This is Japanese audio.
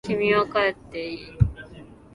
君は帰っていい。